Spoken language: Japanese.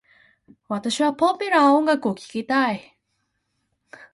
私はポピュラー音楽を聞きたい。